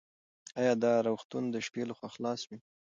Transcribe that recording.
ایا دا روغتون د شپې لخوا خلاص وي؟